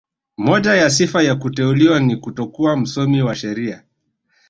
Moja ya sifa ya kuteuliwa ni kutokuwa msomi wa sheria